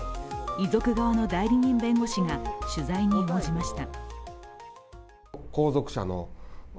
遺族側の代理人弁護士が取材に応じました。